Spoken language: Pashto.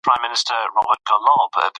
که معلومات ناسم وي نو پروګرام ناکامیږي.